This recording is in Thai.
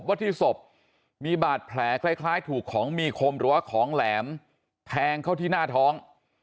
ว่าที่ศพมีบาดแผลคล้ายถูกของมีคมหรือว่าของแหลมแทงเข้าที่หน้าท้อง